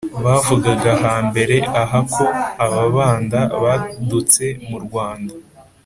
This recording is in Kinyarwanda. bavugaga hambere aha ko ababanda badutse mu rwanda